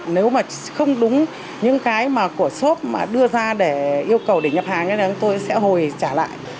nếu mà không đúng những cái mà của shop mà đưa ra để yêu cầu để nhập hàng thì tôi sẽ hồi trả lại